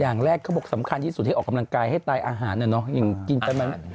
อย่างแรกเขาบอกสำคัญที่สุดให้ออกกำลังกายให้ตายอาหารน่ะเนอะอย่างกินต้นไม้